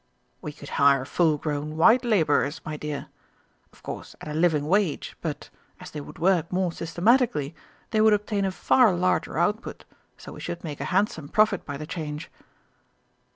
"We could hire full grown white labourers, my dear. Of course at a living wage, but, as they would work more systematically, they would obtain a far larger output, so we should make a handsome profit by the change."